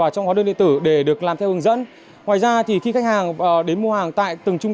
trong kinh doanh giao dịch